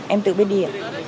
em tự biết đi ạ